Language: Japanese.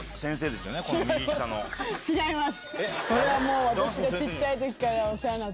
違います。